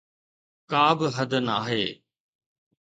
ڪابه حد ناهي.